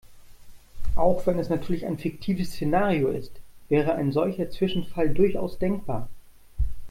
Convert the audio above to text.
Auch wenn es natürlich ein fiktives Szenario ist, wäre ein solcher Zwischenfall durchaus denkbar.